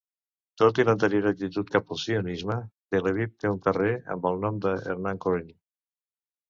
Tot i l'anterior actitud cap al sionisme, Tel Aviv té un carrer amb el nom de Hermann Cohen.